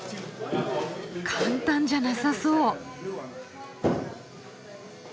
簡単じゃなさそう。